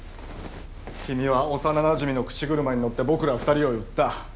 君は幼なじみの口車に乗って僕ら２人を売った。